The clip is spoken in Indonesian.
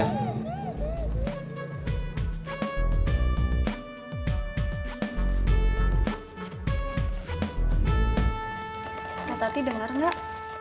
kak tati denger nggak